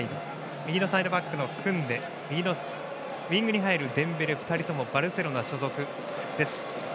右サイドバックのクンデ右のウイングに入るデンベレは２人ともバルセロナ所属です。